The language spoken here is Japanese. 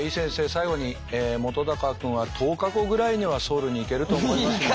最後に本君は１０日後ぐらいにはソウルに行けると思いますので。